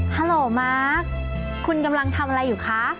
ฮัลโหลมากคุณกำลังทำอะไรอยู่คะ